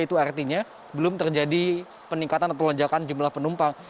itu artinya belum terjadi peningkatan atau lonjakan jumlah penumpang